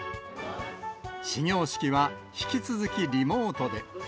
始業式は引き続きリモートで。